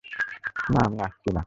না আমি আসছি না।